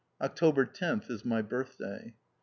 October 10th is my birthday.